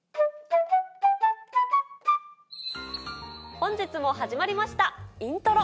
本日も始まりました『イントロ』。